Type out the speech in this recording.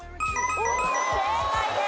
正解です。